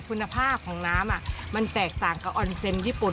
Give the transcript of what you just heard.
คุณภาพของน้ำมันแตกต่างกับออนเซ็นต์ญี่ปุ่น